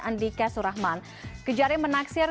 andika surahman kejari menaksir